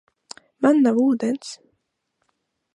Man nav ūdens.